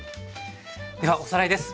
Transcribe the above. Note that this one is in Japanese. ではおさらいです。